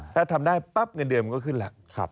ถ้าทำได้ปั๊บเงินเดือนมันก็ขึ้นแล้ว